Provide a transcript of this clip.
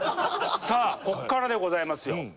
さあここからでございますよ。